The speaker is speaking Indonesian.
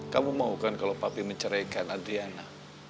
kamu mahukan kalau papi menceraikan adriana